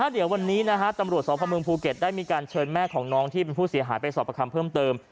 เดี๋ยววันนี้นะฮะตำรวจสพเมืองภูเก็ตได้มีการเชิญแม่ของน้องที่เป็นผู้เสียหายไปสอบประคำเพิ่มเติม